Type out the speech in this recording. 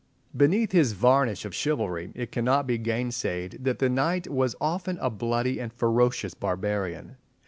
Beneath his varnish of chivalry, it cannot be gainsayed that the knight was often a bloody and ferocious barbarian.